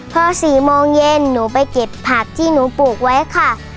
พอ๔โมงเย็นหนูไปเก็บผักที่หนูปลูกไว้ค่ะ